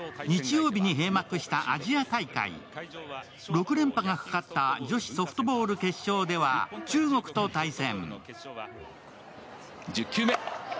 ６連覇がかかった女子ソフトボール決勝では中国と対戦。